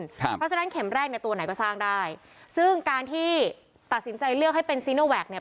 เพราะฉะนั้นเข็มแรกเนี่ยตัวไหนก็สร้างได้ซึ่งการที่ตัดสินใจเลือกให้เป็นซีโนแวคเนี่ย